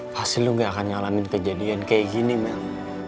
pasti lo gak akan nyalamin kejadian kayak gini mel